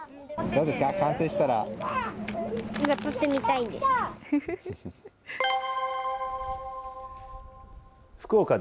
どうですか？